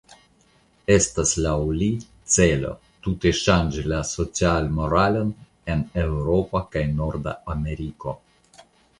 Estas laŭ li celo tute ŝanĝi la socialmoralon en Eŭropo kaj Norda Ameriko.